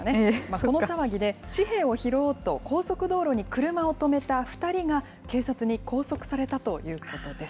この騒ぎで紙幣を拾おうと、高速道路に車を止めた２人が、警察に拘束されたということです。